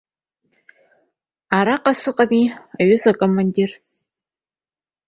Араҟа сыҟами, аҩыза акомаидир!